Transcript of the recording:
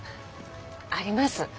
あります。